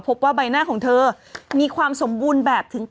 พบว่าใบหน้าของเธอมีความสมบูรณ์แบบถึง